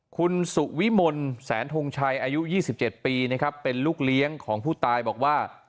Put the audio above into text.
คุณสุวิมนศ์แสนธงชายอายุยี่สิบเจ็ดปีเป็นลูกเลี้ยงของผู้ตายบอกว่า